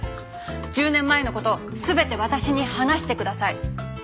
１０年前の事全て私に話してください。